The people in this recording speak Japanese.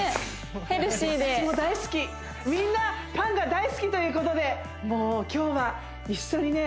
ヘルシーで私も大好きみんなパンが大好きということでもう今日は一緒にね